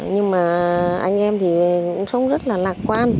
nhưng mà anh em thì cũng sống rất là lạc quan